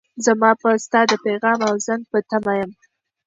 زه به ستا د پیغام او زنګ په تمه یم.